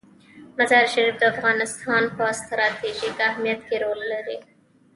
مزارشریف د افغانستان په ستراتیژیک اهمیت کې رول لري.